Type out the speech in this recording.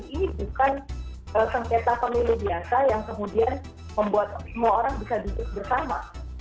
ini bukan sengketa pemilu biasa yang kemudian membuat semua orang bisa duduk bersama